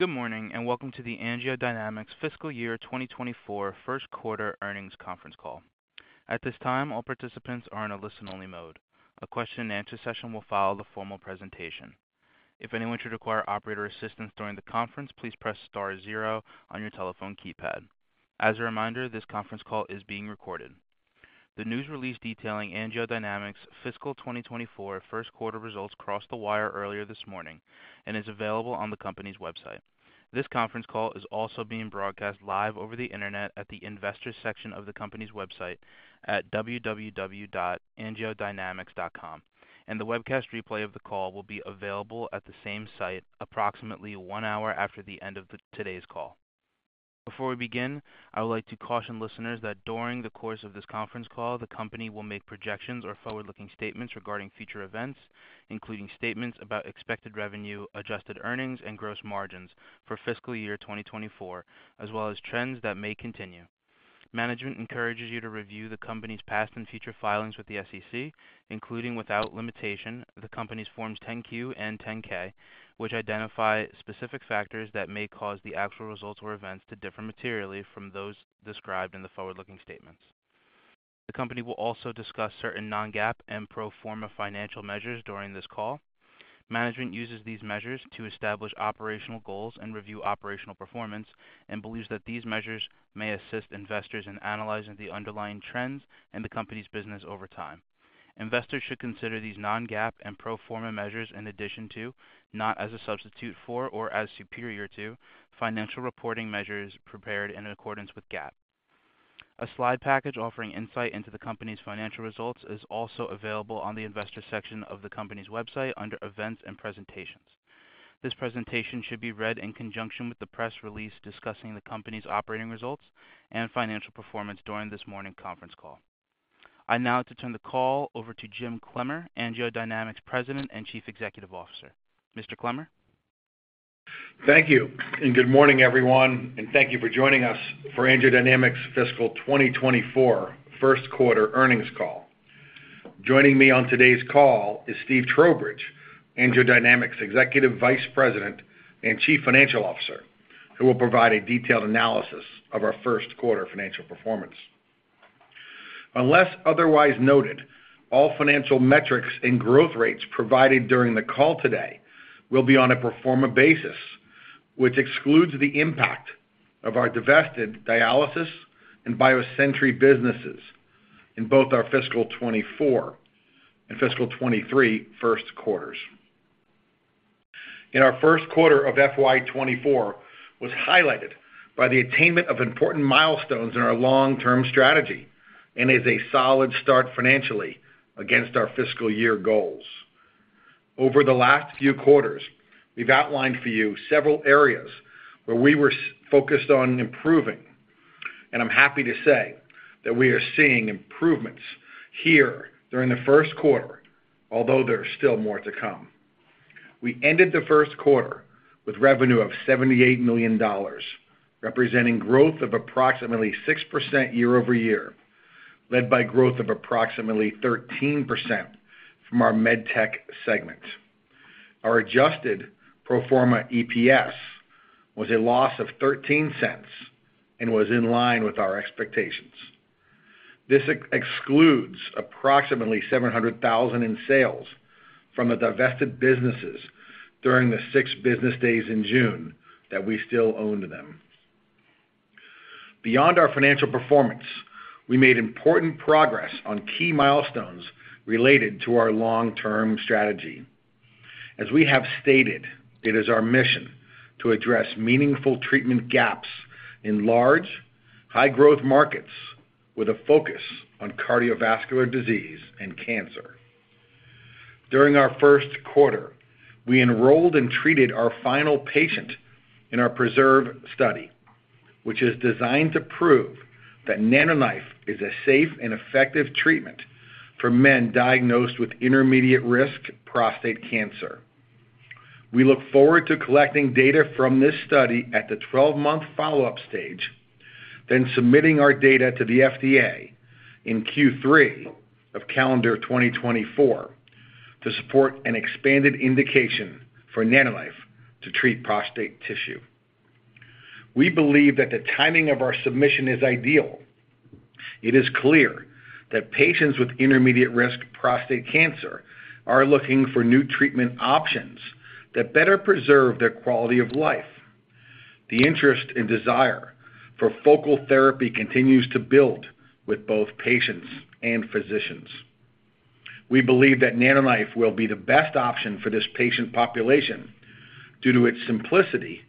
Good morning, and welcome to the AngioDynamics Fiscal Year 2024 First Quarter Earnings Conference Call. At this time, all participants are in a listen-only mode. A question-and-answer session will follow the formal presentation. If anyone should require operator assistance during the conference, please press star zero on your telephone keypad. As a reminder, this conference call is being recorded. The news release detailing AngioDynamics Fiscal 2024 first quarter results crossed the wire earlier this morning and is available on the company's website. This conference call is also being broadcast live over the internet at the investors section of the company's website at www.angiodynamics.com, and the webcast replay of the call will be available at the same site approximately one hour after the end of today's call. Before we begin, I would like to caution listeners that during the course of this conference call, the company will make projections or forward-looking statements regarding future events, including statements about expected revenue, adjusted earnings, and gross margins for fiscal year 2024, as well as trends that may continue. Management encourages you to review the company's past and future filings with the SEC, including, without limitation, the company's Forms 10-Q and 10-K, which identify specific factors that may cause the actual results or events to differ materially from those described in the forward-looking statements. The company will also discuss certain non-GAAP and pro forma financial measures during this call. Management uses these measures to establish operational goals and review operational performance and believes that these measures may assist investors in analyzing the underlying trends in the company's business over time. Investors should consider these non-GAAP and pro forma measures in addition to, not as a substitute for or as superior to, financial reporting measures prepared in accordance with GAAP. A slide package offering insight into the company's financial results is also available on the investors section of the company's website under Events and Presentations. This presentation should be read in conjunction with the press release discussing the company's operating results and financial performance during this morning's conference call. I now turn the call over to Jim Clemmer, AngioDynamics President and Chief Executive Officer. Mr. Clemmer? Thank you, and good morning, everyone, and thank you for joining us for AngioDynamics' fiscal 2024 first quarter earnings call. Joining me on today's call is Steve Trowbridge, AngioDynamics' Executive Vice President and Chief Financial Officer, who will provide a detailed analysis of our first quarter financial performance. Unless otherwise noted, all financial metrics and growth rates provided during the call today will be on a pro forma basis, which excludes the impact of our divested dialysis and BioSentry businesses in both our fiscal 2024 and fiscal 2023 first quarters. In our first quarter of FY 2024 was highlighted by the attainment of important milestones in our long-term strategy and is a solid start financially against our fiscal year goals. Over the last few quarters, we've outlined for you several areas where we were focused on improving, and I'm happy to say that we are seeing improvements here during the first quarter, although there is still more to come. We ended the first quarter with revenue of $78 million, representing growth of approximately 6% year-over-year, led by growth of approximately 13% from our MedTech segment. Our adjusted pro forma EPS was a loss of $0.13 and was in line with our expectations. This excludes approximately $700,000 in sales from the divested businesses during the 6 business days in June that we still owned them. Beyond our financial performance, we made important progress on key milestones related to our long-term strategy. As we have stated, it is our mission to address meaningful treatment gaps in large, high-growth markets with a focus on cardiovascular disease and cancer. During our first quarter, we enrolled and treated our final patient in our PRESERVE Study, which is designed to prove that NanoKnife is a safe and effective treatment for men diagnosed with intermediate-risk prostate cancer. We look forward to collecting data from this study at the twelve-month follow-up stage, then submitting our data to the FDA in Q3 of calendar 2024 to support an expanded indication for NanoKnife to treat prostate tissue. We believe that the timing of our submission is ideal. It is clear that patients with intermediate-risk prostate cancer are looking for new treatment options that better preserve their quality of life. The interest and desire for focal therapy continues to build with both patients and physicians. We believe that NanoKnife will be the best option for this patient population due to its simplicity,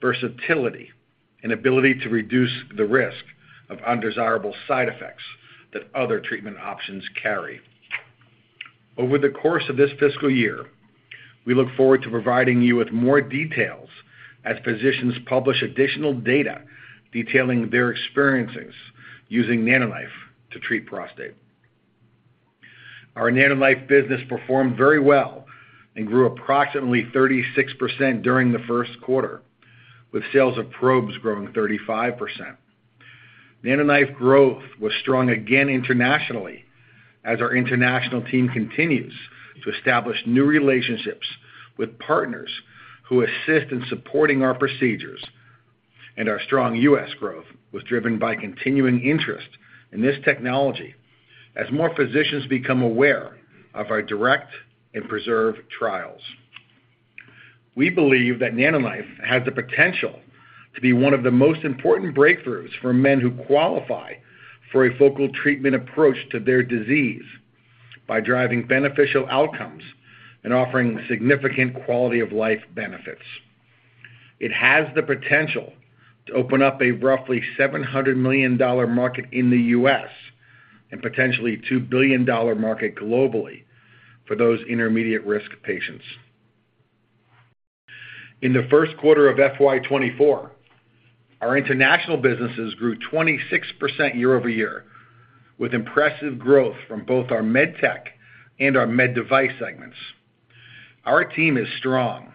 versatility, and ability to reduce the risk of undesirable side effects that other treatment options carry. Over the course of this fiscal year, we look forward to providing you with more details as physicians publish additional data detailing their experiences using NanoKnife to treat prostate. Our NanoKnife business performed very well and grew approximately 36% during the first quarter, with sales of probes growing 35%. NanoKnife growth was strong again internationally, as our international team continues to establish new relationships with partners who assist in supporting our procedures, and our strong U.S. growth was driven by continuing interest in this technology as more physicians become aware of our DIRECT and PRESERVE trials. We believe that NanoKnife has the potential to be one of the most important breakthroughs for men who qualify for a focal treatment approach to their disease by driving beneficial outcomes and offering significant quality of life benefits. It has the potential to open up a roughly $700 million market in the U.S., and potentially $2 billion market globally for those intermediate-risk patients. In the first quarter of FY 2024, our international businesses grew 26% year-over-year, with impressive growth from both our Med Tech and our Med Device segments. Our team is strong,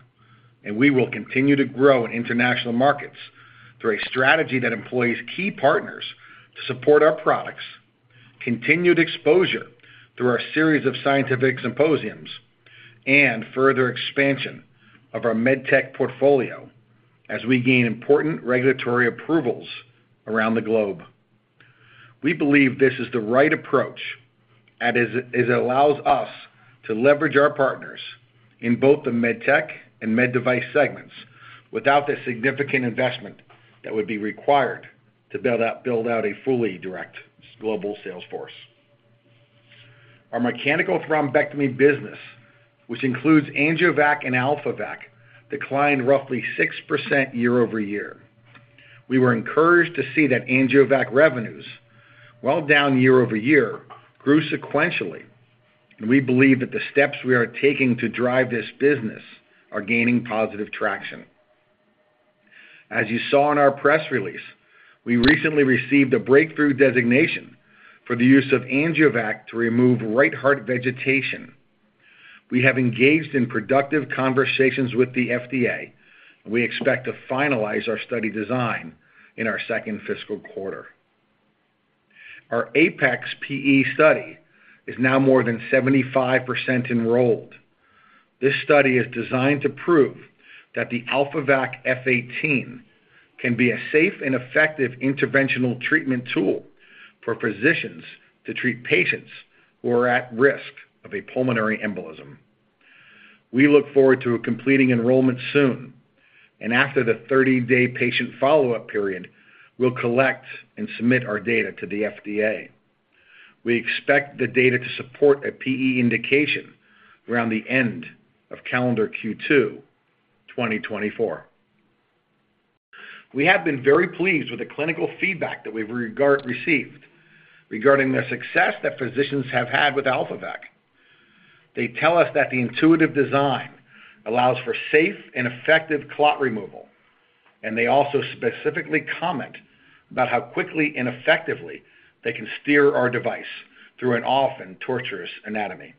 and we will continue to grow in international markets through a strategy that employs key partners to support our products, continued exposure through our series of scientific symposiums, and further expansion of our Med Tech portfolio as we gain important regulatory approvals around the globe. We believe this is the right approach, as it allows us to leverage our partners in both the Med Tech and Med Device segments without the significant investment that would be required to build out a fully direct global sales force. Our mechanical thrombectomy business, which includes AngioVac and AlphaVac, declined roughly 6% year-over-year. We were encouraged to see that AngioVac revenues, while down year-over-year, grew sequentially, and we believe that the steps we are taking to drive this business are gaining positive traction. As you saw in our press release, we recently received a breakthrough designation for the use of AngioVac to remove right heart vegetation. We have engaged in productive conversations with the FDA. We expect to finalize our study design in our second fiscal quarter. Our Apex PE Study is now more than 75% enrolled. This study is designed to prove that the AlphaVac F18 can be a safe and effective interventional treatment tool for physicians to treat patients who are at risk of a pulmonary embolism. We look forward to completing enrollment soon, and after the 30-day patient follow-up period, we'll collect and submit our data to the FDA. We expect the data to support a PE indication around the end of calendar Q2 2024. We have been very pleased with the clinical feedback that we've received regarding the success that physicians have had with AlphaVac. They tell us that the intuitive design allows for safe and effective clot removal, and they also specifically comment about how quickly and effectively they can steer our device through an often torturous anatomy.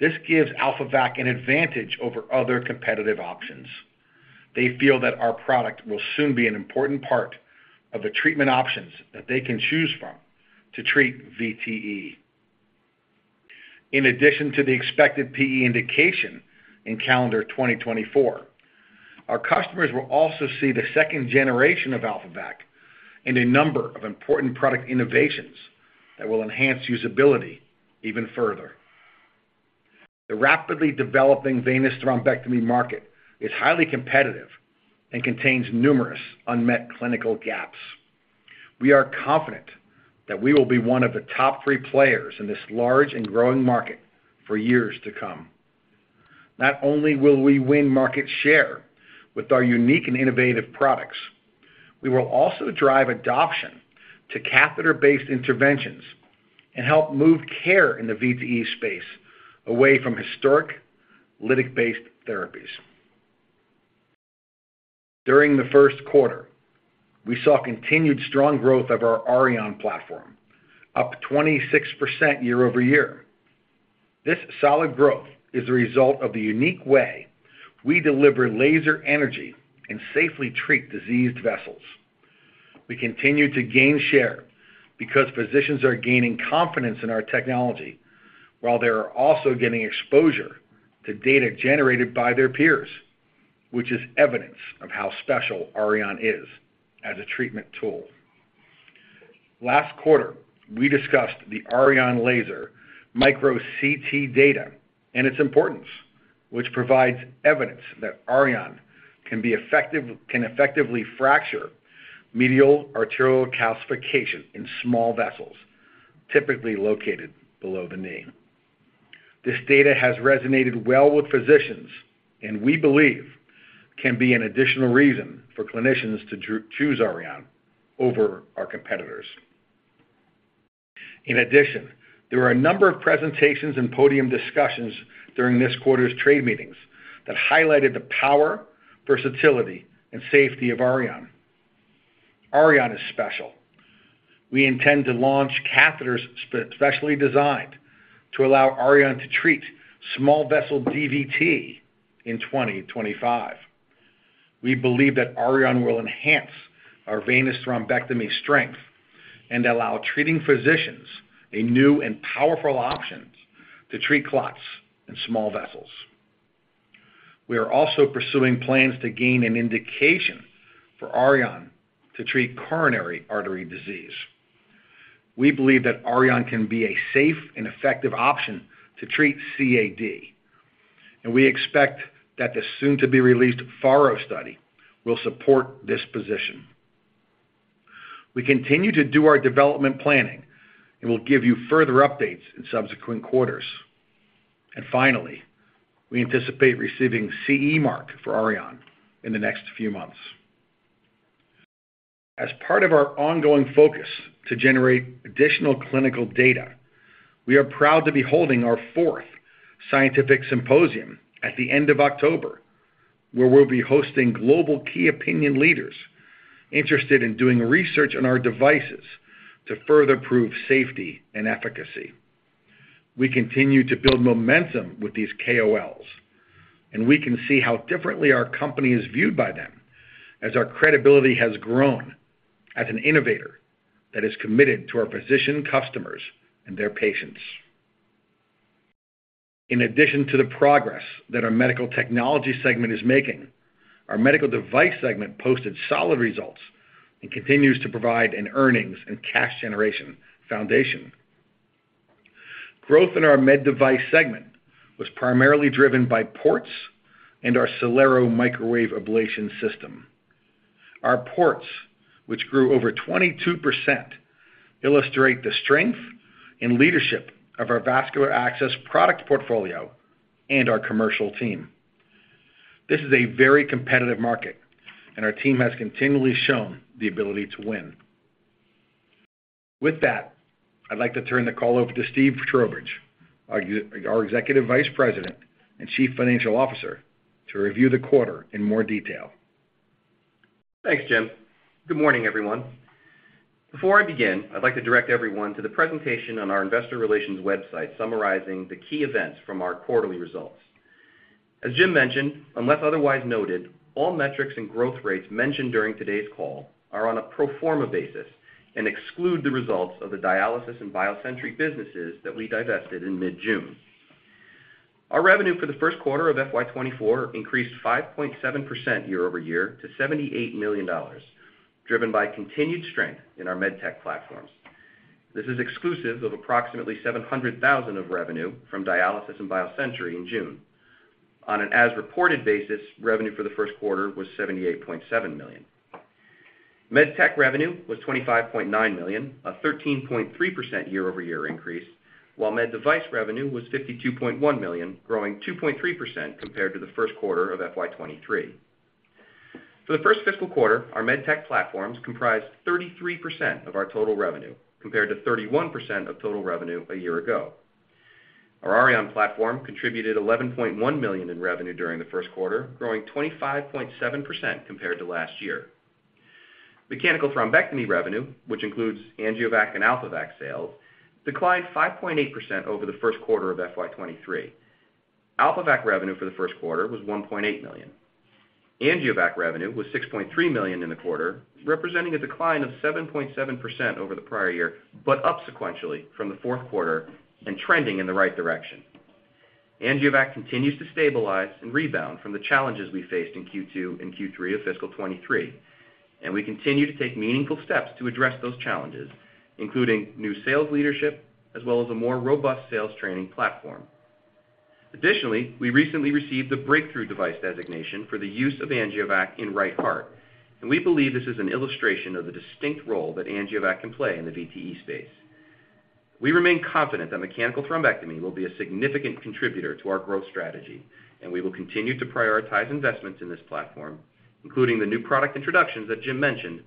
This gives AlphaVac an advantage over other competitive options. They feel that our product will soon be an important part of the treatment options that they can choose from to treat VTE. In addition to the expected PE indication in calendar 2024, our customers will also see the second generation of AlphaVac and a number of important product innovations that will enhance usability even further. The rapidly developing venous thrombectomy market is highly competitive and contains numerous unmet clinical gaps. We are confident that we will be one of the top three players in this large and growing market for years to come. Not only will we win market share with our unique and innovative products, we will also drive adoption to catheter-based interventions and help move care in the VTE space away from historic lytic-based therapies. During the first quarter, we saw continued strong growth of our Auryon platform, up 26% year-over-year. This solid growth is a result of the unique way we deliver laser energy and safely treat diseased vessels. We continue to gain share because physicians are gaining confidence in our technology, while they are also getting exposure to data generated by their peers, which is evidence of how special Auryon is as a treatment tool. Last quarter, we discussed the Auryon laser micro CT data and its importance, which provides evidence that Auryon can effectively fracture medial arterial calcification in small vessels, typically located below the knee. This data has resonated well with physicians, and we believe can be an additional reason for clinicians to choose Auryon over our competitors. In addition, there were a number of presentations and podium discussions during this quarter's trade meetings that highlighted the power, versatility, and safety of Auryon. Auryon is special. We intend to launch catheters specially designed to allow Auryon to treat small vessel DVT in 2025. We believe that Auryon will enhance our venous thrombectomy strength and allow treating physicians a new and powerful option to treat clots in small vessels. We are also pursuing plans to gain an indication for Auryon to treat coronary artery disease. We believe that Auryon can be a safe and effective option to treat CAD, and we expect that the soon-to-be-released FARO Study will support this position. We continue to do our development planning, and we'll give you further updates in subsequent quarters. Finally, we anticipate receiving CE Mark for Auryon in the next few months. As part of our ongoing focus to generate additional clinical data, we are proud to be holding our fourth scientific symposium at the end of October, where we'll be hosting global key opinion leaders interested in doing research on our devices to further prove safety and efficacy. We continue to build momentum with these KOLs, and we can see how differently our company is viewed by them as our credibility has grown as an innovator that is committed to our physician customers and their patients. In addition to the progress that our medical technology segment is making, our medical device segment posted solid results and continues to provide an earnings and cash generation foundation. Growth in our Med Device segment was primarily driven by ports and our Solero Microwave Ablation System. Our ports, which grew over 22%, illustrate the strength and leadership of our vascular access product portfolio and our commercial team. This is a very competitive market, and our team has continually shown the ability to win. With that, I'd like to turn the call over to Steve Trowbridge, our Executive Vice President and Chief Financial Officer, to review the quarter in more detail. Thanks, Jim. Good morning, everyone. Before I begin, I'd like to direct everyone to the presentation on our investor relations website, summarizing the key events from our quarterly results. As Jim mentioned, unless otherwise noted, all metrics and growth rates mentioned during today's call are on a pro forma basis and exclude the results of the dialysis and BioSentry businesses that we divested in mid-June. Our revenue for the first quarter of FY 2024 increased 5.7% year-over-year to $78 million, driven by continued strength in our med tech platforms. This is exclusive of approximately $700,000 of revenue from dialysis and BioSentry in June. On an as-reported basis, revenue for the first quarter was $78.7 million. Med Tech revenue was $25.9 million, a 13.3% year-over-year increase, while Med Device revenue was $52.1 million, growing 2.3% compared to the first quarter of FY 2023. For the first fiscal quarter, our Med Tech platforms comprised 33% of our total revenue, compared to 31% of total revenue a year ago. Our Auryon platform contributed $11.1 million in revenue during the first quarter, growing 25.7% compared to last year. Mechanical thrombectomy revenue, which includes AngioVac and AlphaVac sales, declined 5.8% over the first quarter of FY 2023. AlphaVac revenue for the first quarter was $1.8 million. AngioVac revenue was $6.3 million in the quarter, representing a decline of 7.7% over the prior year, but up sequentially from the fourth quarter and trending in the right direction. AngioVac continues to stabilize and rebound from the challenges we faced in Q2 and Q3 of fiscal 2023, and we continue to take meaningful steps to address those challenges, including new sales leadership, as well as a more robust sales training platform. Additionally, we recently received the breakthrough device designation for the use of AngioVac in right heart, and we believe this is an illustration of the distinct role that AngioVac can play in the VTE space. We remain confident that mechanical thrombectomy will be a significant contributor to our growth strategy, and we will continue to prioritize investments in this platform, including the new product introductions that Jim mentioned,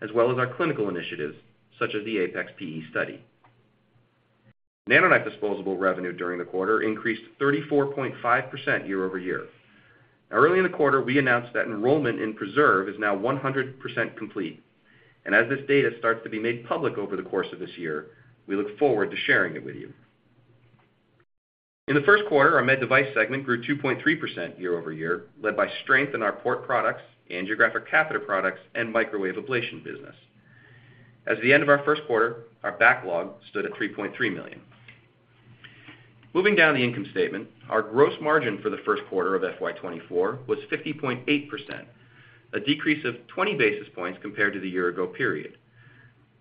as well as our clinical initiatives, such as the APEX-PE study. NanoKnife disposable revenue during the quarter increased 34.5% year-over-year. Now, early in the quarter, we announced that enrollment in PRESERVE is now 100% complete, and as this data starts to be made public over the course of this year, we look forward to sharing it with you. In the first quarter, our Med Device segment grew 2.3% year-over-year, led by strength in our port products, angiographic catheter products, and microwave ablation business. At the end of our first quarter, our backlog stood at $3.3 million. Moving down the income statement, our gross margin for the first quarter of FY 2024 was 50.8%, a decrease of 20 basis points compared to the year ago period.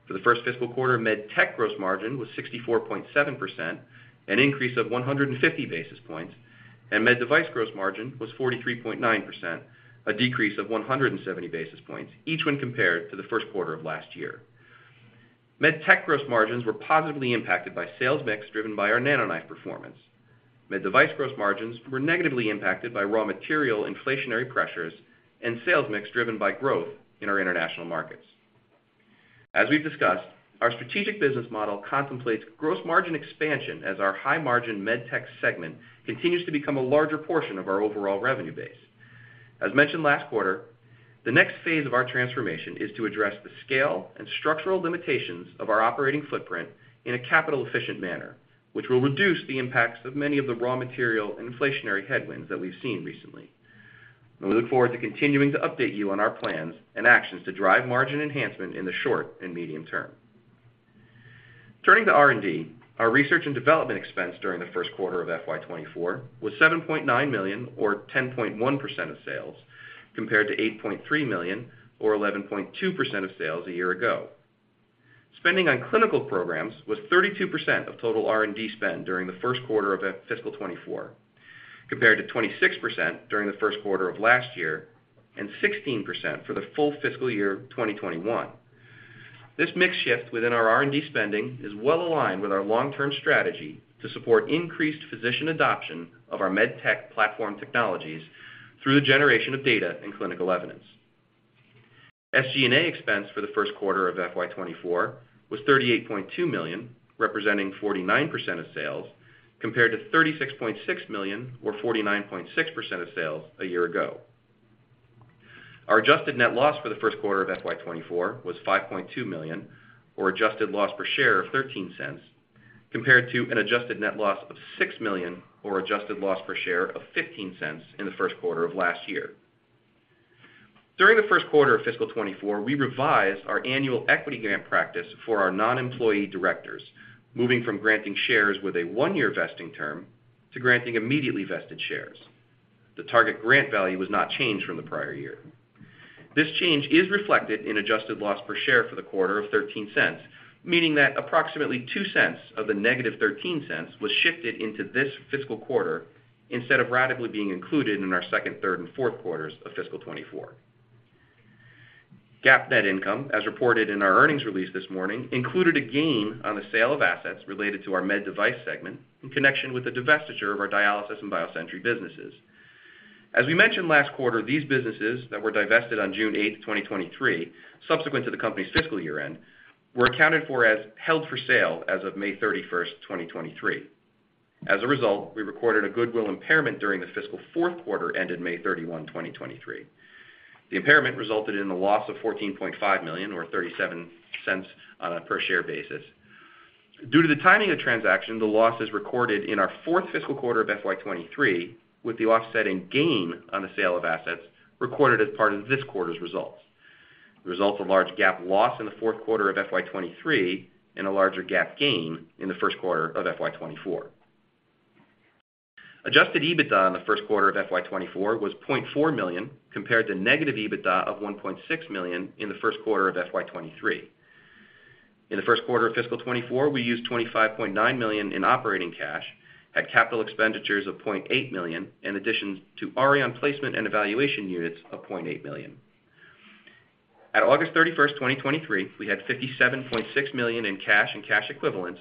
For the first fiscal quarter, Med Tech gross margin was 64.7%, an increase of 150 basis points, and Med Device gross margin was 43.9%, a decrease of 170 basis points, each when compared to the first quarter of last year. Med Tech gross margins were positively impacted by sales mix, driven by our NanoKnife performance. Med Device gross margins were negatively impacted by raw material inflationary pressures and sales mix, driven by growth in our international markets. As we've discussed, our strategic business model contemplates gross margin expansion as our high-margin Med Tech segment continues to become a larger portion of our overall revenue base. As mentioned last quarter. The next phase of our transformation is to address the scale and structural limitations of our operating footprint in a capital-efficient manner, which will reduce the impacts of many of the raw material and inflationary headwinds that we've seen recently. We look forward to continuing to update you on our plans and actions to drive margin enhancement in the short and medium term. Turning to R&D, our research and development expense during the first quarter of FY 2024 was $7.9 million, or 10.1% of sales, compared to $8.3 million, or 11.2% of sales a year ago. Spending on clinical programs was 32% of total R&D spend during the first quarter of fiscal 2024, compared to 26% during the first quarter of last year, and 16% for the full fiscal year of 2021. This mix shift within our R&D spending is well aligned with our long-term strategy to support increased physician adoption of our MedTech platform technologies through the generation of data and clinical evidence. SG&A expense for the first quarter of FY 2024 was $38.2 million, representing 49% of sales, compared to $36.6 million, or 49.6% of sales a year ago. Our adjusted net loss for the first quarter of FY 2024 was $5.2 million, or adjusted loss per share of $0.13, compared to an adjusted net loss of $6 million or adjusted loss per share of $0.15 in the first quarter of last year. During the first quarter of fiscal 2024, we revised our annual equity grant practice for our non-employee directors, moving from granting shares with a one-year vesting term to granting immediately vested shares. The target grant value was not changed from the prior year. This change is reflected in adjusted loss per share for the quarter of $0.13, meaning that approximately $0.02 of the negative $0.13 was shifted into this fiscal quarter instead of radically being included in our second, third, and fourth quarters of fiscal 2024. GAAP net income, as reported in our earnings release this morning, included a gain on the sale of assets related to our Med Device segment in connection with the divestiture of our dialysis and BioSentry businesses. As we mentioned last quarter, these businesses that were divested on June 8, 2023, subsequent to the company's fiscal year-end, were accounted for as held for sale as of May 31, 2023. As a result, we recorded a goodwill impairment during the fiscal fourth quarter, ended May 31, 2023. The impairment resulted in the loss of $14.5 million, or $0.37 on a per-share basis. Due to the timing of transaction, the loss is recorded in our fourth fiscal quarter of FY 2023, with the offsetting gain on the sale of assets recorded as part of this quarter's results. The results of large GAAP loss in the fourth quarter of FY 2023 and a larger GAAP gain in the first quarter of FY 2024. Adjusted EBITDA in the first quarter of FY 2024 was $0.4 million, compared to negative EBITDA of $1.6 million in the first quarter of FY 2023. In the first quarter of fiscal 2024, we used $25.9 million in operating cash at capital expenditures of $0.8 million, in addition to Auryon placement and evaluation units of $0.8 million. At August 31, 2023, we had $57.6 million in cash and cash equivalents,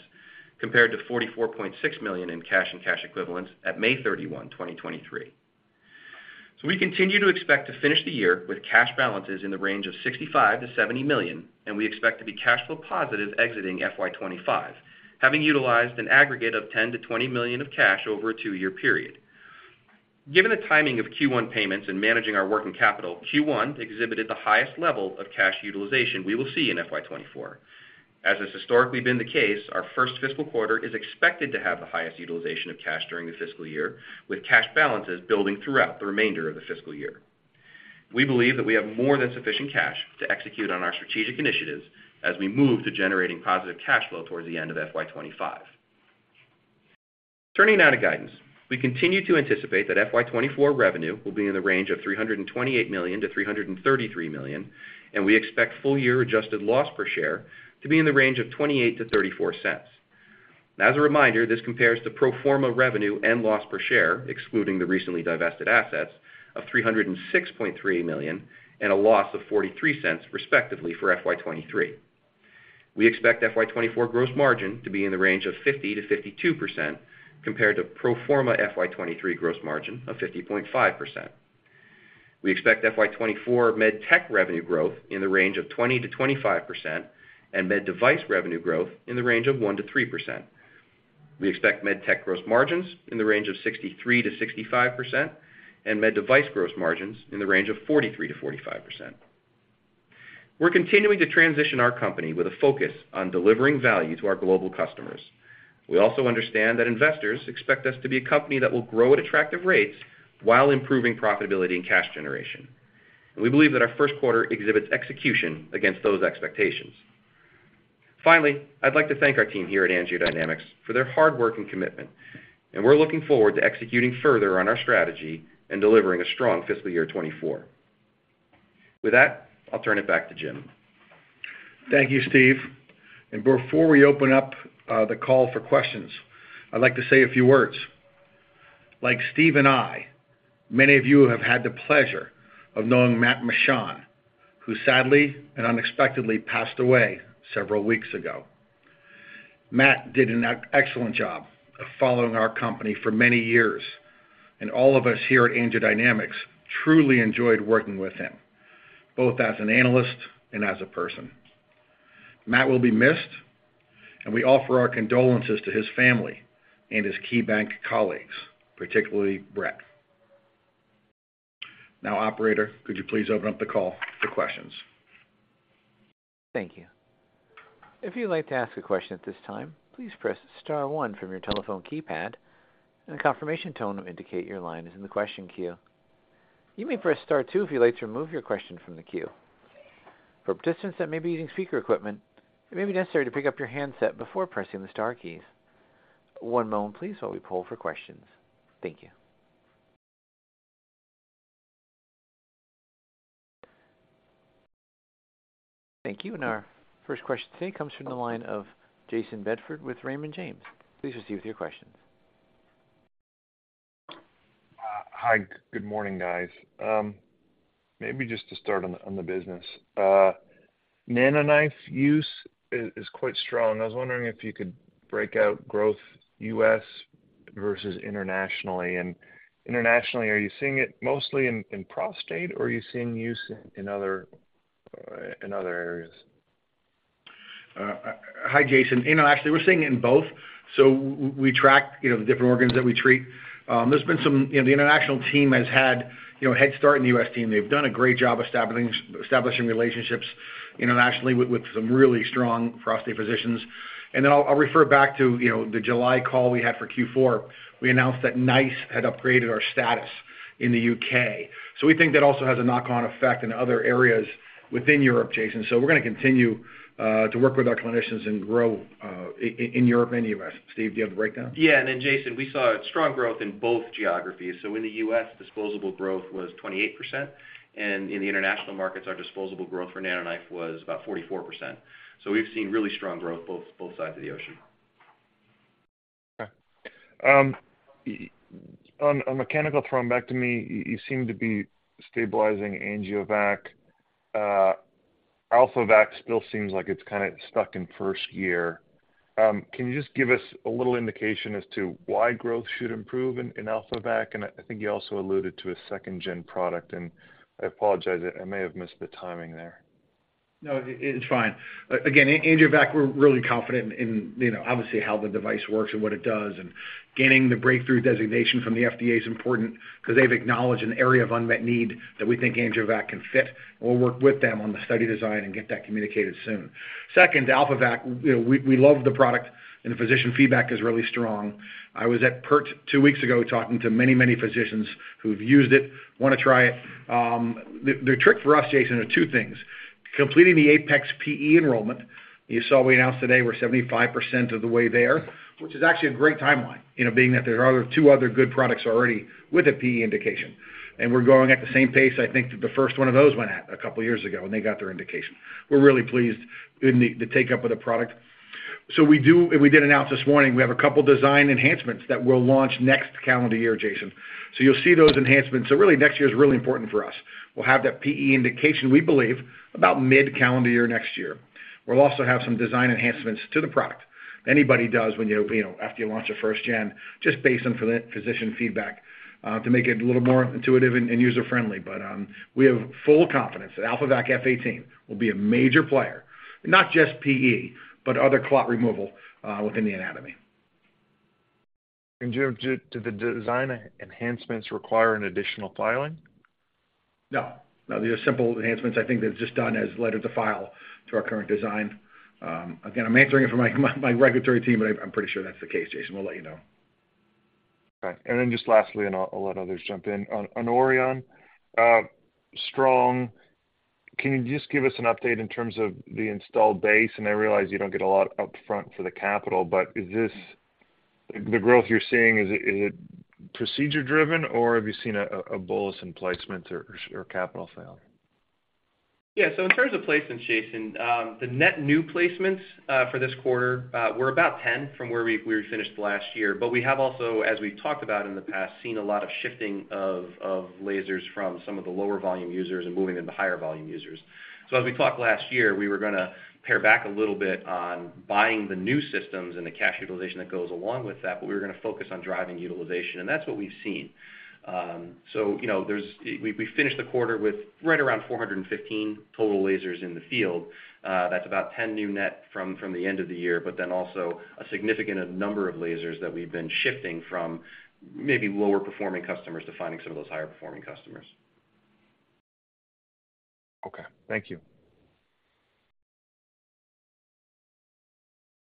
compared to $44.6 million in cash and cash equivalents at May 31, 2023. So we continue to expect to finish the year with cash balances in the range of $65 million-$70 million, and we expect to be cash flow positive exiting FY 2025, having utilized an aggregate of $10 million-$20 million of cash over a 2-year period. Given the timing of Q1 payments and managing our working capital, Q1 exhibited the highest level of cash utilization we will see in FY 2024. As has historically been the case, our first fiscal quarter is expected to have the highest utilization of cash during the fiscal year, with cash balances building throughout the remainder of the fiscal year. We believe that we have more than sufficient cash to execute on our strategic initiatives as we move to generating positive cash flow towards the end of FY 2025. Turning now to guidance. We continue to anticipate that FY 2024 revenue will be in the range of $328 million-$333 million, and we expect full-year adjusted loss per share to be in the range of $0.28-$0.34. As a reminder, this compares to pro forma revenue and loss per share, excluding the recently divested assets, of $306.3 million and a loss of $0.43, respectively, for FY 2023. We expect FY 2024 gross margin to be in the range of 50%-52%, compared to pro forma FY 2023 gross margin of 50.5%. We expect FY 2024 Med Tech revenue growth in the range of 20-25, and Med Device revenue growth in the range of 1-3%. We expect Med Tech gross margins in the range of 63%-65% and Med Device gross margins in the range of 43%-45%. We're continuing to transition our company with a focus on delivering value to our global customers. We also understand that investors expect us to be a company that will grow at attractive rates while improving profitability and cash generation. We believe that our first quarter exhibits execution against those expectations. Finally, I'd like to thank our team here at AngioDynamics for their hard work and commitment, and we're looking forward to executing further on our strategy and delivering a strong fiscal year 2024. With that, I'll turn it back to Jim. Thank you, Steve. Before we open up the call for questions, I'd like to say a few words. Like Steve and I, many of you have had the pleasure of knowing Matt Mishan, who sadly and unexpectedly passed away several weeks ago. Matt did an excellent job of following our company for many years, and all of us here at AngioDynamics truly enjoyed working with him, both as an analyst and as a person.... Matt will be missed, and we offer our condolences to his family and his KeyBanc colleagues, particularly Brett. Now, operator, could you please open up the call for questions? Thank you. If you'd like to ask a question at this time, please press star one from your telephone keypad, and a confirmation tone will indicate your line is in the question queue. You may press star two if you'd like to remove your question from the queue. For participants that may be using speaker equipment, it may be necessary to pick up your handset before pressing the star keys. One moment please, while we poll for questions. Thank you. Thank you. Our first question today comes from the line of Jayson Bedford with Raymond James. Please proceed with your question. Hi, good morning, guys. Maybe just to start on the business. NanoKnife use is quite strong. I was wondering if you could break out growth U.S. versus internationally. And internationally, are you seeing it mostly in prostate, or are you seeing use in other areas? Hi, Jayson. Internationally, we're seeing it in both. So we, we track, you know, the different organs that we treat. There's been some... You know, the international team has had, you know, a head start in the US team. They've done a great job establishing relationships internationally with, with some really strong prostate physicians. And then I'll, I'll refer back to, you know, the July call we had for Q4. We announced that NICE had upgraded our status in the UK. So we think that also has a knock-on effect in other areas within Europe, Jayson. So we're going to continue to work with our clinicians and grow in Europe and US. Steve, do you have the breakdown? Yeah. And then, Jason, we saw a strong growth in both geographies. So in the U.S., disposable growth was 28%, and in the international markets, our disposable growth for NanoKnife was about 44%. So we've seen really strong growth, both, both sides of the ocean. Okay. On a mechanical thrombectomy, you seem to be stabilizing AngioVac. AlphaVac still seems like it's kind of stuck in first gear. Can you just give us a little indication as to why growth should improve in AlphaVac? And I think you also alluded to a second-gen product, and I apologize, I may have missed the timing there. No, it's fine. Again, AngioVac, we're really confident in, you know, obviously, how the device works and what it does, and gaining the breakthrough designation from the FDA is important because they've acknowledged an area of unmet need that we think AngioVac can fit. We'll work with them on the study design and get that communicated soon. Second, AlphaVac, you know, we love the product, and the physician feedback is really strong. I was at PERT two weeks ago, talking to many, many physicians who've used it, want to try it. The trick for us, Jayson, are two things: completing the APEX PE enrollment. You saw we announced today we're 75% of the way there, which is actually a great timeline, you know, being that there are two other good products already with a PE indication. And we're going at the same pace, I think, that the first one of those went at a couple of years ago when they got their indication. We're really pleased in the take-up of the product. So we do, and we did announce this morning, we have a couple of design enhancements that we'll launch next calendar year, Jason. So you'll see those enhancements. So really, next year is really important for us. We'll have that PE indication, we believe, about mid-calendar year next year. We'll also have some design enhancements to the product. Anybody does when you, you know, after you launch a first gen, just based on physician feedback, to make it a little more intuitive and user-friendly. But we have full confidence that AlphaVac F18 will be a major player, not just PE, but other clot removal within the anatomy. Do the design enhancements require an additional filing? No. No, they're simple enhancements. I think they've just done a letter to file to our current design. Again, I'm answering it for my, my regulatory team, but I'm pretty sure that's the case, Jayson. We'll let you know. Okay. And then just lastly, I'll let others jump in. On Auryon, can you just give us an update in terms of the installed base? And I realize you don't get a lot upfront for the capital, but is this the growth you're seeing, is it procedure-driven, or have you seen a bolus in placements or capital sale? Yeah. So in terms of placements, Jason, the net new placements for this quarter were about 10 from where we finished last year. But we have also, as we've talked about in the past, seen a lot of shifting of lasers from some of the lower volume users and moving them to higher volume users. So as we talked last year, we were going to pare back a little bit on buying the new systems and the cash utilization that goes along with that, but we were going to focus on driving utilization, and that's what we've seen. So you know, we finished the quarter with right around 415 total lasers in the field. That's about 10 new net from the end of the year, but then also a significant number of lasers that we've been shifting from maybe lower performing customers to finding some of those higher performing customers. Okay, thank you.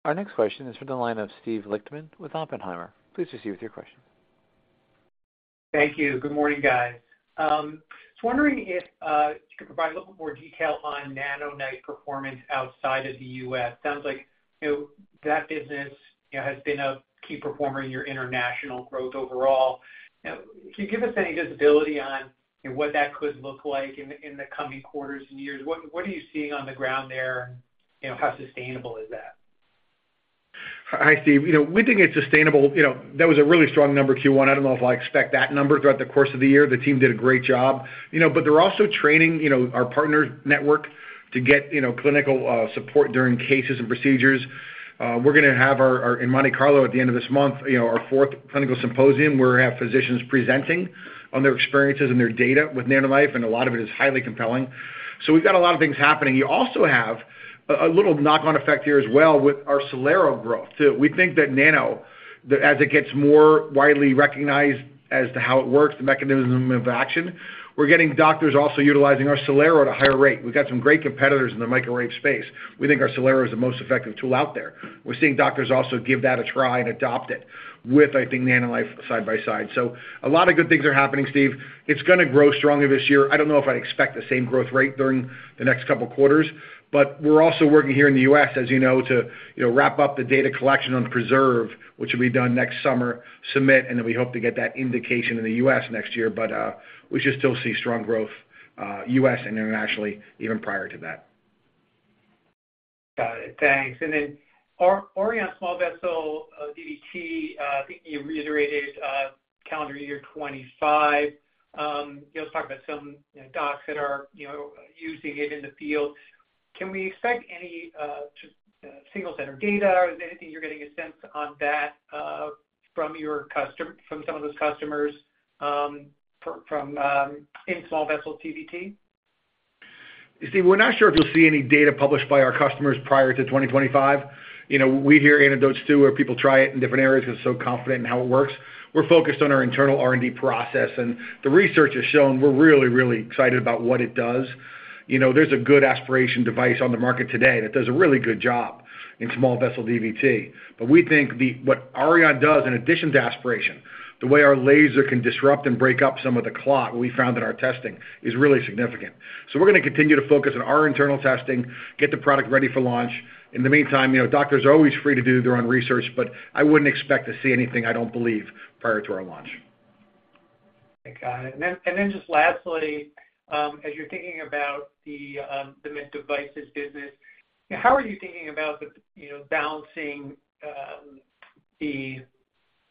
Our next question is from the line of Steve Lichtman with Oppenheimer. Please proceed with your question. Thank you. Good morning, guys. Just wondering if you could provide a little more detail on NanoKnife performance outside of the U.S. Sounds like, you know, that business, you know, has been a key performer in your international growth overall. Now, can you give us any visibility on, you know, what that could look like in the coming quarters and years? What are you seeing on the ground there? You know, how sustainable is that? Hi, Steve. You know, we think it's sustainable. You know, that was a really strong number, Q1. I don't know if I expect that number throughout the course of the year. The team did a great job, you know, but they're also training, you know, our partner network to get, you know, clinical support during cases and procedures. We're going to have our in Monte Carlo at the end of this month, you know, our fourth clinical symposium, where we have physicians presenting on their experiences and their data with NanoKnife, and a lot of it is highly compelling. So we've got a lot of things happening. You also have a little knock-on effect here as well with our Solero growth, too. We think that Nano, that as it gets more widely recognized as to how it works, the mechanism of action, we're getting doctors also utilizing our Solero at a higher rate. We've got some great competitors in the microwave space. We think our Solero is the most effective tool out there. We're seeing doctors also give that a try and adopt it with, I think, NanoKnife side by side. So a lot of good things are happening, Steve. It's going to grow strongly this year. I don't know if I'd expect the same growth rate during the next couple of quarters, but we're also working here in the U.S., as you know, to, you know, wrap up the data collection on PRESERVE, which will be done next summer, submit, and then we hope to get that indication in the U.S. next year. But, we should still see strong growth, U.S. and internationally, even prior to that. Got it. Thanks. And then Auryon small vessel DVT. I think you reiterated calendar year 2025. Let's talk about some, you know, docs that are, you know, using it in the field. Can we expect any just single center data? Is there anything you're getting a sense on that from your customers, from some of those customers in small vessel DVT? You see, we're not sure if you'll see any data published by our customers prior to 2025. You know, we hear anecdotes, too, where people try it in different areas because they're so confident in how it works. We're focused on our internal R&D process, and the research has shown we're really, really excited about what it does. You know, there's a good aspiration device on the market today that does a really good job in small vessel DVT. But we think what Auryon does, in addition to aspiration, the way our laser can disrupt and break up some of the clot, we found in our testing, is really significant. So we're going to continue to focus on our internal testing, get the product ready for launch. In the meantime, you know, doctors are always free to do their own research, but I wouldn't expect to see anything, I don't believe, prior to our launch. Okay, got it. And then just lastly, as you're thinking about the Med Device business, how are you thinking about the, you know, balancing the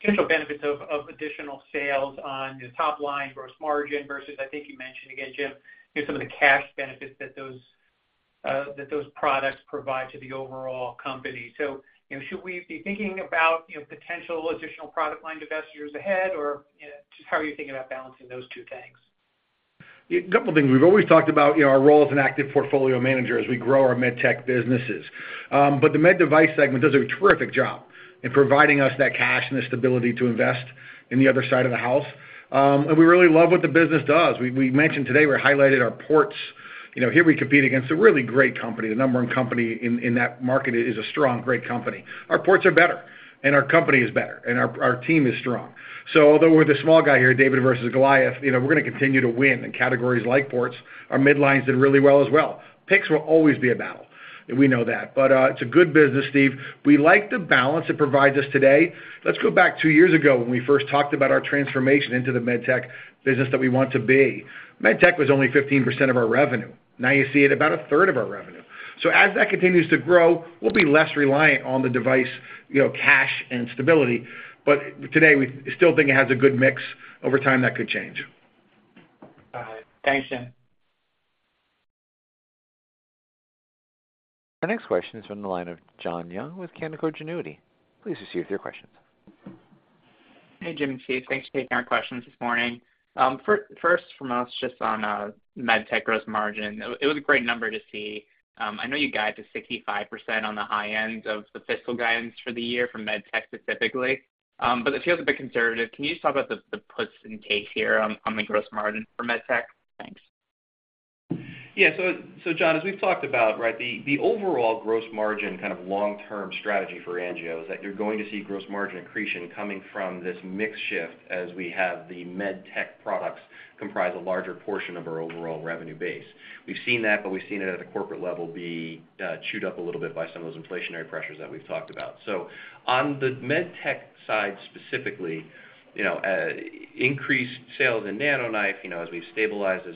potential benefits of additional sales on your top line versus margin versus, I think you mentioned again, Jim, some of the cash benefits that those products provide to the overall company. So, you know, should we be thinking about, you know, potential additional product line investments ahead, or, you know, just how are you thinking about balancing those two things? Yeah, a couple of things. We've always talked about, you know, our role as an active portfolio manager as we grow our med tech businesses. But the med device segment does a terrific job in providing us that cash and the stability to invest in the other side of the house. And we really love what the business does. We mentioned today, we highlighted our ports. You know, here we compete against a really great company. The number one company in that market is a strong, great company. Our ports are better, and our company is better, and our team is strong. So although we're the small guy here, David versus Goliath, you know, we're going to continue to win in categories like ports. Our midlines did really well as well. Picks will always be a battle, and we know that, but it's a good business, Steve. We like the balance it provides us today. Let's go back two years ago, when we first talked about our transformation into the Med Tech business that we want to be. Med Tech was only 15% of our revenue. Now, you see it about a third of our revenue. So as that continues to grow, we'll be less reliant on the device, you know, cash and stability. But today, we still think it has a good mix. Over time, that could change. Got it. Thanks, Jim. The next question is from the line of John Young with Canaccord Genuity. Please proceed with your questions. Hey, Jim and Steve, thanks for taking our questions this morning. First from us, just on Med Tech gross margin. It was a great number to see. I know you guide to 65% on the high end of the fiscal guidance for the year for Med Tech, specifically, but it feels a bit conservative. Can you just talk about the puts and takes here on the gross margin for Med Tech? Thanks. Yeah, so, so John, as we've talked about, right, the overall gross margin, kind of long-term strategy for Angio is that you're going to see gross margin accretion coming from this mix shift as we have the med tech products comprise a larger portion of our overall revenue base. We've seen that, but we've seen it at a corporate level be chewed up a little bit by some of those inflationary pressures that we've talked about. So on the med tech side, specifically, you know, increased sales in NanoKnife, you know, as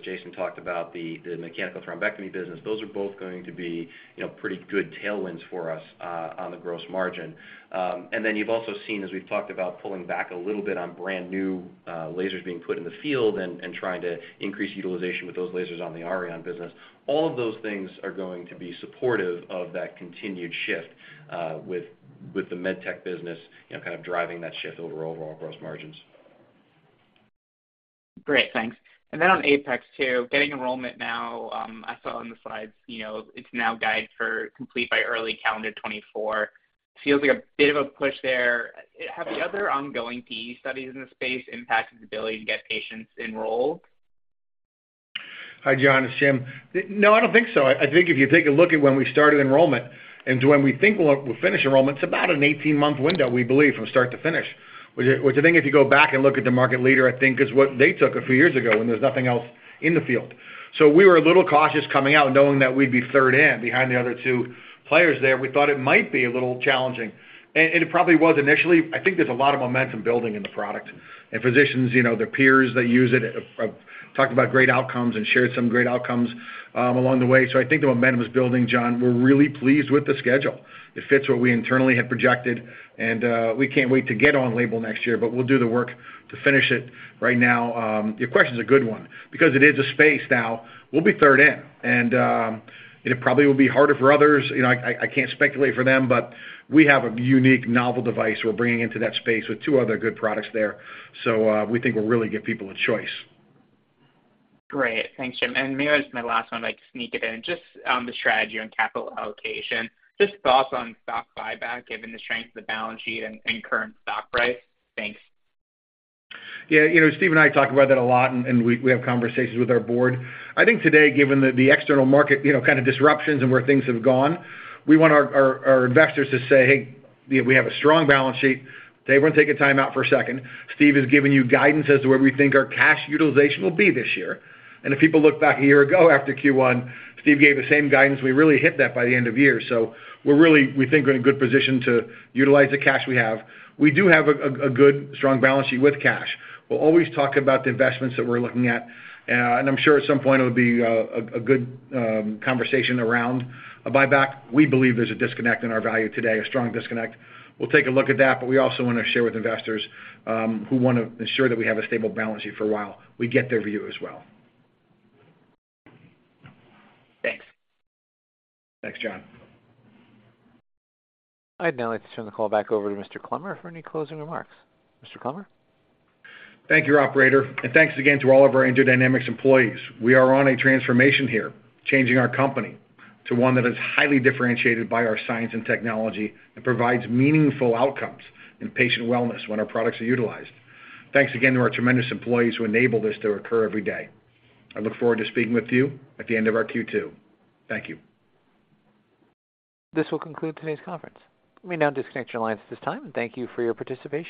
Jason talked about, the mechanical thrombectomy business, those are both going to be, you know, pretty good tailwinds for us on the gross margin. And then you've also seen, as we've talked about, pulling back a little bit on brand new lasers being put in the field and trying to increase utilization with those lasers on the Auryon business. All of those things are going to be supportive of that continued shift with the Med Tech business, you know, kind of driving that shift over overall gross margins. Great, thanks. Then on Apex, too, getting enrollment now. I saw on the slides, you know, it's now guided for complete by early calendar 2024. Feels like a bit of a push there. Have the other ongoing PE studies in the space impacted the ability to get patients enrolled? Hi, John, it's Jim. No, I don't think so. I think if you take a look at when we started enrollment and to when we think we'll finish enrollment, it's about an 18-month window, we believe, from start to finish. Which I think if you go back and look at the market leader, I think is what they took a few years ago when there was nothing else in the field. So we were a little cautious coming out and knowing that we'd be third in behind the other two players there. We thought it might be a little challenging, and it probably was initially. I think there's a lot of momentum building in the product, and physicians, you know, their peers that use it talked about great outcomes and shared some great outcomes along the way. So I think the momentum is building, John. We're really pleased with the schedule. It fits what we internally had projected, and we can't wait to get on label next year, but we'll do the work to finish it right now. Your question is a good one because it is a space now, we'll be third in, and it probably will be harder for others. You know, I, I can't speculate for them, but we have a unique novel device we're bringing into that space with two other good products there. So, we think we'll really give people a choice. Great. Thanks, Jim. And maybe this is my last one, I'd like to sneak it in. Just on the strategy on capital allocation, just thoughts on stock buyback, given the strength of the balance sheet and, and current stock price. Thanks. Yeah, you know, Steve and I talk about that a lot, and we have conversations with our board. I think today, given the external market, you know, kind of disruptions and where things have gone, we want our investors to say, "Hey, we have a strong balance sheet. Everyone take a timeout for a second. Steve has given you guidance as to where we think our cash utilization will be this year." And if people look back a year ago after Q1, Steve gave the same guidance. We really hit that by the end of year. So we're really, we think, in a good position to utilize the cash we have. We do have a good strong balance sheet with cash. We'll always talk about the investments that we're looking at, and I'm sure at some point it would be a good conversation around a buyback. We believe there's a disconnect in our value today, a strong disconnect. We'll take a look at that, but we also want to share with investors who want to ensure that we have a stable balance sheet for a while. We get their view as well. Thanks. Thanks, John. I'd now like to turn the call back over to Mr. Clemmer for any closing remarks. Mr. Clemmer? Thank you, operator, and thanks again to all of our AngioDynamics employees. We are on a transformation here, changing our company to one that is highly differentiated by our science and technology and provides meaningful outcomes in patient wellness when our products are utilized. Thanks again to our tremendous employees who enable this to occur every day. I look forward to speaking with you at the end of our Q2. Thank you. This will conclude today's conference. We may now disconnect your lines at this time, and thank you for your participation.